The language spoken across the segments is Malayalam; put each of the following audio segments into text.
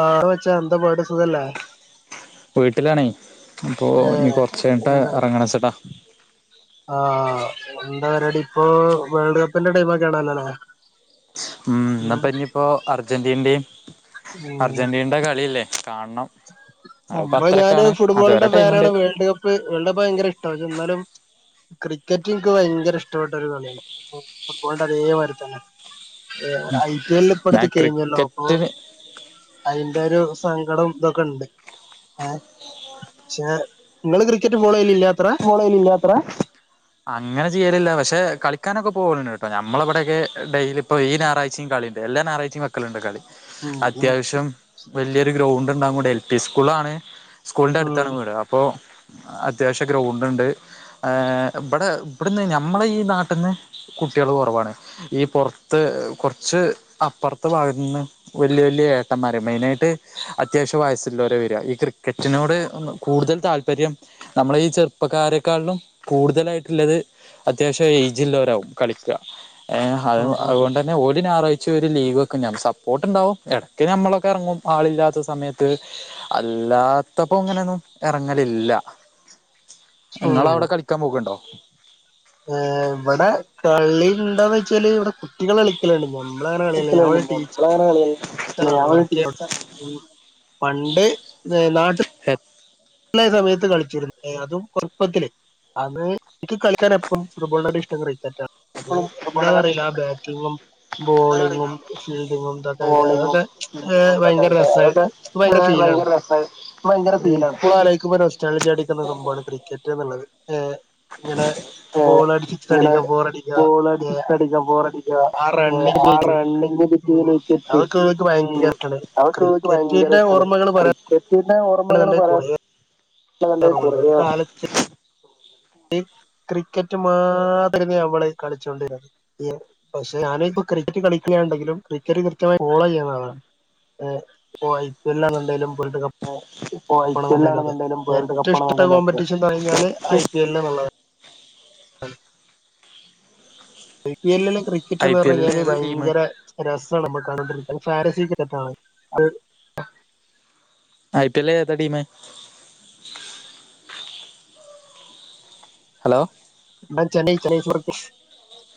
ആ വെച്ചാ എന്താ പാട് സുഖല്ലേ വീട്ടിലാണേ അപ്പോൾ ഇനി ഏഹ് കൊർച്ച് കഴിഞ്ഞിട്ട് എന്താ ഇറങ്ങണച്ചിട്ടാ ആഹ് എന്താ പരിപടി. ഇപ്പൊ വേൾഡ് കപ്പിന്റെ ടൈംമൊക്കെ ആണല്ലോല്ലോ ഉം ന്നപ്പ ഞിപ്പോ അർജന്റീൻ്റിം ഉം അർജന്റീന്റെ കളില്ലേ കാണം സംഭവം ഞാന് ഫുട്ബോളിന്റെ ടൈമുണ്ട് പേരാണ് വേൾഡ് കപ്പ് [unintelligible] ഭയങ്കര ഇഷ്ട എന്നാലും ക്രിക്കറ്റ് എനിക്ക് ഭയങ്കര ഇഷ്ടപ്പെട്ട ഒരു കളിയാണ് ഫുട്ബോളിന്റെ അതേ മാരിക്ക് തന്നെ ഐ പി എൽ ഇവിടെ ഞാൻ കിട്ടിയിരുന്നല്ലോ അപ്പൊ ക്രിക്കറ്റിന് അതിന്റെ ഒരു സങ്കടം തൊ ഉണ്ട് ഏ പക്ഷേ നിങ്ങള് ക്രിക്കറ്റ് ഫോളോ ചെയ്യലില്ലേ അത്ര ഫോളോ ചെയ്‌ലില്ലേ അത്ര അങ്ങനെ ചെയ്യലില്ല പക്ഷെ കളിക്കാനൊക്കെ പോകലു കേട്ടോ നമ്മള അവിടെയൊക്കെ ഡെയിലി ഇപ്പ ഈ ഞായാഴ്ചിം കളിണ്ട് എല്ലാ ഞാറാഴ്ച്ചിം വെ വെക്കൽ ണ്ട് കളി ഉം എനിക്ക് അത്യാവശ്യം വലിയൊരു ഗ്രൗണ്ട് ഉണ്ടാവും കൂടി എൽ പി സ്കൂളാണ് സ്കൂളിന്റെ ഉം അടുത്താണ് വീട് അപ്പൊ അത്യാവശ്യ ഗ്രൗണ്ട് ഉണ്ട് ഏ ഇവിടെ ഇവിടുന്ന് ഞമ്മള ഈ നാട്ടിന്ന് കുട്ടിയൾ കുറവാണ് ഈ പുറത്ത് കുറച്ച് അപ്പർത്തെ ഭാഗത്തു നിന്ന് വലിയ വല്യ ഏട്ടന്മാരെ മെയിന് ആയിട്ട് അത്യാവശ്യം വയസ്സുള്ളവരെ വരിക ഈ ക്രിക്കറ്റിനോട് കൂടുതൽ താല്പര്യം നമ്മള ഈ ചെറുപ്പക്കാരെക്കാളിലും കൂടുതലായിട്ടുള്ളത് അത്യാവശ്യം എയ്ജ്ള്ളവരാവും കളിക്ക ഏഹ് അത് ഉം ഉം അതുകൊണ്ട് പിന്നെ ഓല് ഞായറാഴ്ച ഒരു ലീവ് ഒക്കെ ഞാ സപ്പോർട്ട്ണ്ടാവും ഇടയ്ക്ക് നമ്മളൊക്കെ ഇറങ്ങും ആളില്ലാത്ത സമയത്ത് അല്ലാത്തപ്പോ ഇങ്ങനെയൊന്നും ഇറങ്ങലില്ല നിങ്ങള ഉം അവിടെ കളിക്കാൻ പോക്ക്ണ്ടോ ഇവിടെ കളി ഉണ്ടോന്ന് വെച്ചാല് ഇവിടെ കുട്ടികൾ കളിക്കലണ്ട് തോന്നുന്നു [unintelligible] ഞാൻ ടീച്ച വർക്കിയവടെ പണ്ട് നാട്ട് സമയത്ത് കളിച്ചിരുന്നു അതും ചെറുപ്പത്തില് അത് എനിക്ക് കളിക്കാൻ എപ്പം ഫുട്ബോളിനെക്കാളും ഇഷ്ടം ക്രിക്കറ്റാണ് അത് ഇപ്പളും ഫുട്ബോളിനെക്കാട്ടി എന്താന്നറിയില്ല ഇഷ്ടം ക്രിക്കറ്റാണ് ബാറ്റിങ്ങും എന്താ ബോളിങ്ങും അറിയില്ല ഫീൽഡിങ്ങും ഇതൊക്കായിട്ട് ബോളിങ്ങും അതൊക്കെ ഭയങ്കര രസമായി ആഹ് ഭയങ്കര രസ ഭയങ്കര ഫീലാണ് ഇപ്പൊആലോചിക്കുമ്പെ നോസ്സ്റ്റാളിജി അടിക്കുന്ന സംഭവമാണ് ക്രിക്കറ്റ് എന്നുള്ളത് ഏ ഇങ്ങനെ ഏ ബോളടി സിക്സ് ഇങ്ങനെ അടിക്കുക ഫോർ അടിക്കുക ബോൾ അടിക്ക ബോൾടിക്ക ആ ആഹ് റണ്ണിങ് റണ്ണിങ് ഉം ഫീല് ഇക്ക് അതൊക്കെ ഇവർക്ക് ഭയങ്കര ഇഷ്ടാണ് ഭയങ്കര ക്രിക്കറ്റിന്റെ ഇഷ്ടമാണ് ഓർമ്മകൾ ക്രിക്കറ്റ് പിന്നെ ഓർമ്മകൾ പറയാണെന്നുണ്ടെ പറയാൻ കുറേ ഉണ്ടെങ്കിൽ ഓർമ്മണ്ട് കുറയേ ഈ ക്രിക്കറ്റ് മാത്രരുന്നു അവള് കളിച്ചൊണ്ടിരുന്നത് പക്ഷെ ഞാനൻ ഇപ്പ ക്രിക്കറ്റ് കളിക്കുകണ്ടെങ്കിലും ക്രിക്കറ്റ് കൃത്യമായി ഫോളോ ചെയ്യുന്ന ആളാണ് ഏ ഐ പി എൽ ആണെങ്കിലും വേൾഡ് കപ്പ്‌ ആണെങ്കിലും ഇപ്പൊ ഐ പി എൽ ആണെന്നുണ്ടെലും വേൾഡ് കപ്പാണെന്നുണ്ടെിലും ഒക്കെ എന്നാല് ഞാൻ I P L I P L I ക്രിക്കറ്റ്ന്ന് പി പറഞ്ഞ എല്ലില് കഴിഞ്ഞാല് ഏതാ ടീമ് ഭയങ്കര രസമാണ് നമ്മ കാണ്ടിരിക്കുന്നത് ഫാരസക്ക് [unintelligible] ഐ പി എൽ എതാ ടീം? ഹലോ എന്ന ചെന്നൈ [unintelligible]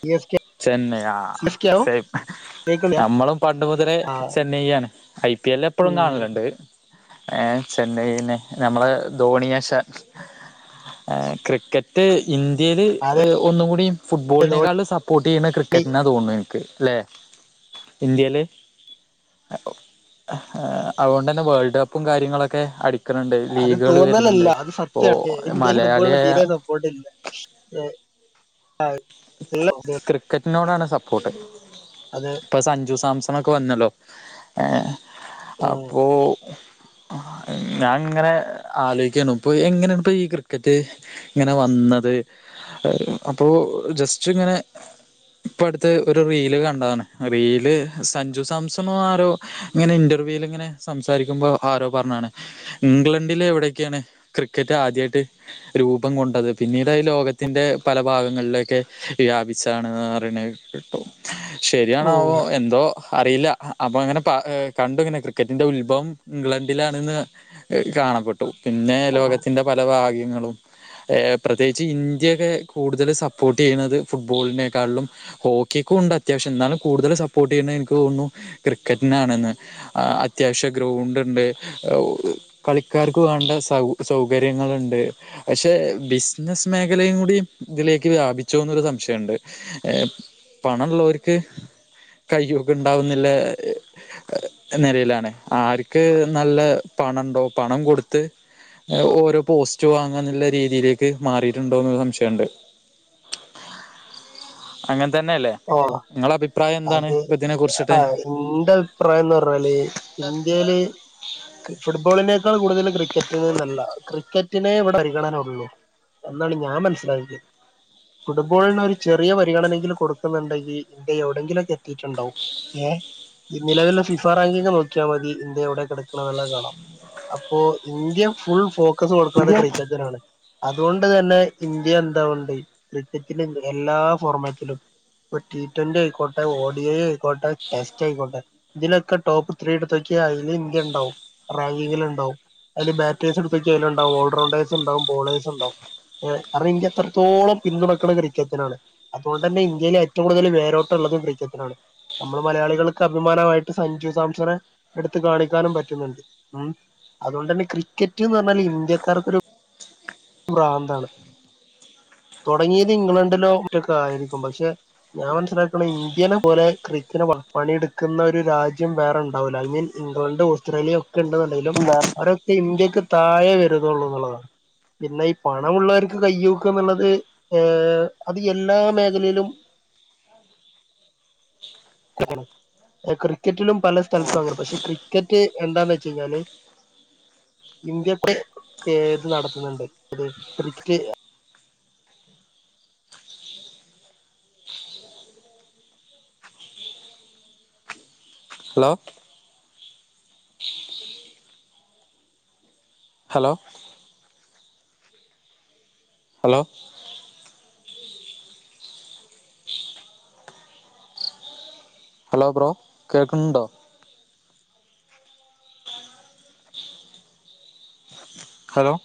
യു എസ് കെ ചെന്നെയാ സി എസ് കെ ആവും സേം കേൾക്കുന്നില്ല നമ്മളും പണ്ട് മുതലേ ആ ചെന്നൈ ആണ് ഐ പി എൽ എപ്പോഴും ഉം കാണലുണ്ട് ഏ ചെന്നൈന്നെ നമ്മള ധോണിയാശാൻ ആഹ് ക്രിക്കറ്റ് ക്രിക്കറ്റ് ഇന്ത്യൽ അതെ ഏ ഒന്നുകൂടി ഫുട്ബോളിനേക്കാൾ ധോണി സപ്പോർട്ട് ചെയ്യുന്ന ക്രിക്കറ്റിനാ തോന്നു എനിക്ക് അല്ലെ ഇന്ത്യയില് അതുകൊണ്ട് തന്നെ വേൾഡ് കപ്പും കാര്യങ്ങളൊക്കെ അടി അത് തോന്നലല്ല അത് സത്യാണ് ഇന്ത്യേലെ ഫുട്ബോളിന് മലയാളിയായ തീരെ സ ക്കൊടില്ലെ ഏഹ് എല്ലറു [unintelligible] ക്രിക്കറ്റിനോടാണ് സപ്പോട്ട് അതെ ഇപ്പ സഞ്ജു സാംസണൊക്കെ വന്നല്ലൊ ഏഹ് ഉം അപ്പോ ഞാ ഇങ്ങനെ ആലോയ്ക്കെര്ണു ഇപ്പൊ എങ്ങനേണ്പ്പൊ ഈ ക്രിക്കറ്റ് ഇങ്ങനവന്നത് അപ്പോ ജസ്റ്റ്ങ്ങനെ ഇപ്പടാത്ത് ഒരു റീല് കണ്ടതാണ് റീല് സഞ്ജു സാംസണൊ ആരോ ഇങ്ങനെ ഇന്റർവ്യൂൽ ഇങ്ങനെ സംസാരിക്കുമ്പോ ആരോ പറഞ്ഞാണ് ഇംഗ്ലണ്ടില് എവിടെയൊക്കെയാണ് ക്രിക്കറ്റ് ആദ്യമായിട്ട് രൂപം കൊണ്ടത് പിന്നീടായി ലോകത്തിന്റെ പല ഭാഗങ്ങളിലെ ക്കെ വ്യാപിച്ചാണ് പറ്ണെ കെട്ടൊ ഉം ശരിയാണാവൊ എന്തൊ അറിയില്ല അപ്പങ്ങനെ പ കണ്ടു ഇങ്ങനെ ക്രിക്കറ്റിന്റെ ഉൽഭവം ഇംഗ്ലണ്ടിലാണ്ന്ന് കാണപ്പെട്ടു പിന്നേ ലോകത്തിൻ്റെ പല ഭാഗ്യങ്ങളും ഏഹ് പ്രത്യേകിച്ച് ഇന്ത്യക്കെ കൂടുതല് സപൊ പ്പോട്ടീയ്യ്ന്നത് ഫുട്ബോളിനെക്കാളും ഹോക്കിക്കുണ്ട് അത്യാവശ്യം ഇന്നാലും കൂടുതല് സപ്പോർട്ടീയ്യ്ണെ ഇൻക്ക് തോന്നുന്നു ക്രിക്കറ്റ്നാണ്ന്ന് ആഹ് അത്യാവശ്യ ഗ്രൗണ്ട്ണ്ട് കളിക്കാർക്ക് വേണ്ട സൗ സൗകര്യങ്ങള്ണ്ട് പഷെ ബിസ്നസ് മേഖലയും കൂടി ഇതിലേക്ക്‌ ക്ക് വ്യാപിച്ചോന്നൊര് സംശയണ്ട് പണള്ളോർക്ക് കയ്യൂക്ക്ണ്ടാവുന്ന്ള്ളെ നെലേലാണ് ആർക്ക് നല്ല പണം ഇണ്ടോ പണം കൊട്ത്ത് ഓരോ പോസ്റ്റ് വാങ്ങാന്ന് ഇള്ള രീതിയിലേക്ക് മാറിയിട്ടുണ്ടൊന്ന് സംശയണ്ട് അങ്ങൻ തന്നല്ലെ ഓ ഇങ്ങളെ അഭിപ്രായെന്താണ് ഇപ്പിതിനെ കുറ്ച്ച്ട്ട് ഇന്റ അഭിപ്രായംന്നർഞ്ഞാല് ഇന്ത്യേല് ഫുട്ബോളിനേക്കാൾ കൂടുതല് ക്രിക്കറ്റിന് ന്നല്ല ക്രിക്കറ്റിനേ ഇവിടെ പരിഗണനൊള്ളു എന്നാണ് ഞാൻ മനസ്സ്ലാക്ക്യെ ഫുട്ബോളിനൊര് ചെറിയ പരിഗണനെങ്കിലും കൊട് ന്ന്ണ്ടെങ്കി ഇന്ത്യ എവിടെങ്കിലൊക്കെ എത്തീട്ട്ണ്ടാവും ഏഹ് ഈ നിലവിലെ ഫിഫാറാങ്കിംങ് നോക്ക്യാ മതി ഇന്ത്യ എവടെ കെട്ക്ക്ണെ ന്ന് ള്ളത് കാണാം അപ്പോ ഇന്ത്യ ഫുൾ ഫോക്കസ് കൊട്ക്ക്ണത് ക്രിക്കറ്റിനാണ് അതുകൊണ്ട് തന്നെ ഇന്ത്യ എന്താവ്ണ്ട് ക്രിക്കറ്റ്ലെ എല്ലാ ഫോർമാറ്റിലും ഇപ്പൊ ട്ടീ ട്വന്റി അയ്ക്കോട്ടെ ഓഡി ഐ അയ്ക്കോട്ടെ ടെസ്റ്റായ്ക്കോട്ടെ ഇതിലൊക്കെ ടോപ്പ് ത്രീ ഇട്ത്തോക്ക്യ അയില് ഇന്ത്യണ്ടാവും റാങ്കിങ്ങില് ഇണ്ടാവും അയില് ബാറ്റേഴ്സ് ഇട്ത്തോക്ക്യ അയില്ണ്ടാവും ഓൾറൗണ്ടേഴ്സ് ഇണ്ടാവും ബോളേ്സ്ണ്ടാവും ഏഹ് കാര്ണം ഇന്ത്യ അത്രത്തോളം പിന്തുണക്ക്ണത് ക്രിക്കറ്റ്നാണ് അതുകൊണ്ടെന്നെ ഇന്ത്യയില് ഏറ്റവും കൂടുതല് വേരോട്ടം ഇള്ളതും ക്രിക്കറ്റ്നാണ് ഞമ്മള് മലയാളികൾക്ക് അഭിമാനമായിട്ട് സഞ്ജു സാംസനെ എട്ത്ത് കാണിക്കാനും പറ്റുന്നുണ്ട് ഉം അതുകൊണ്ടെന്നെ ക്രിക്കറ്റ്ന്ന് പറ്ഞ്ഞാല് ഇന്ത്യക്കാർക്കൊര് ഭ്രാന്താണ് തൊടങ്ങിയത് ഇംഗ്ലണ്ടിലൊ മറ്റൊക്കായിരിക്കും പഷെ ഞാൻ മനസ്സിലാക്ക്ണെ ഇന്ത്യനെ പോലെ ക്രിക്ക്നെ പണിട്ക്ക്ന്ന ഒര് രാജ്യം വേറെ ഇണ്ടാവുല്ല ഐ മീൻ ഇംഗ്ലണ്ടും ഓസ്ട്രേലിയൊക്കെ ഇണ്ട്ന്ന്ണ്ടെങ്കിലും അവരൊക്കെ ഇന്ത്യക്ക് താഴെ വര്ന്നൊള്ളു ന്ന്ള്ളതാണ് പിന്നെ ഈ പണമുള്ളവർക്ക് കയ്യൂക്ക്ന്ന്ള്ളത് ഏഹ് അത് എല്ലാ മേഖലയിലും കൊക്കണൊ ക്രിക്കറ്റിലും പല സ്ഥലത്തും അങ്ങനെ പക്ഷെ ക്രിക്കറ്റ് എന്താന്ന് വെച്ച് കഴിഞ്ഞാല് ഇന്ത്യത്തെ ഏത് നടത്ത്ന്ന്ണ്ട് ഏത് cricket hello hello hello hello bro കേക്ക്ണുണ്ടൊ ഹലൊ